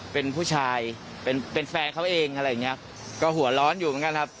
เป็นผู้ชายเป็นเป็นแฟนเขาเองอะไรอย่างเงี้ยก็หัวร้อนอยู่เหมือนกันครับ